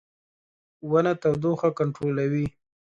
• ونه تودوخه کنټرولوي.